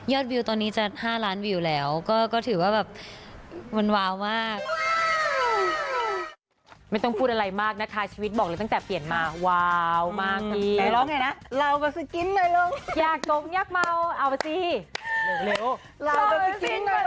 วิวตอนนี้จะ๕ล้านวิวแล้วก็ถือว่าแบบมันวาวมาก